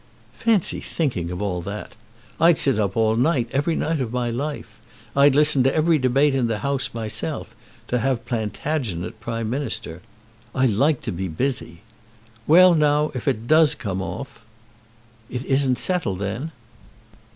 "Fancy thinking of all that. I'd sit up all night every night of my life. I'd listen to every debate in the House myself, to have Plantagenet Prime Minister. I like to be busy. Well now, if it does come off " "It isn't settled, then?"